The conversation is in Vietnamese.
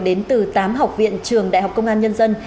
đến từ tám học viện trường đại học công an nhân dân